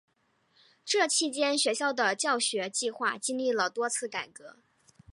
这期间学校的教学计划经历了多次改革。